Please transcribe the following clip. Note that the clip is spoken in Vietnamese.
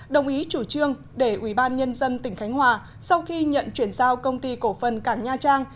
đồng ý chủ trương để ủy ban nhân dân tỉnh khánh hòa sau khi nhận chuyển giao công ty cổ phần cảng nha trang